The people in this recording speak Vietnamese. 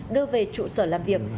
đưa về trụ sở làm việc